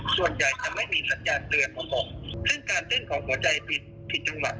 ซึ่งอาจจะเจอได้น้อยกว่าในคนที่อายุแบบนี้